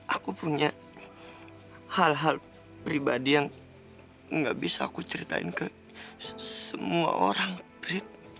aku punya hal hal pribadi yang gak bisa aku ceritain ke semua orang brid